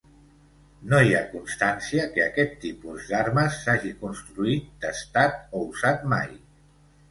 No hi ha constància que aquest tipus d'armes s'hagi construït, testat o usat mai.